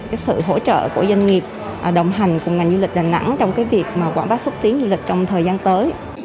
cái sự hỗ trợ của doanh nghiệp đồng hành cùng ngành du lịch đà nẵng trong cái việc mà quảng bá xúc tiến du lịch trong thời gian tới